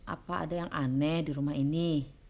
apa ada yang aneh di rumah ini